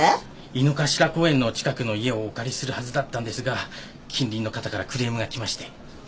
井の頭公園の近くの家をお借りするはずだったんですが近隣の方からクレームが来まして。